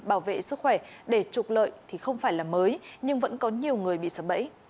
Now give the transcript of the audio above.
bảo vệ sức khỏe để trục lợi thì không phải là mới nhưng vẫn có nhiều người bị sập bẫy